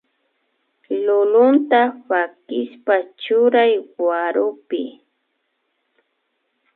Lulunta pakishpa churay warukpi